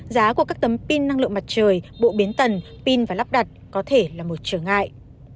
giá của các tấm pin năng lượng mặt trời bộ biến tần pin và lắp đặt có thể là một trở ngại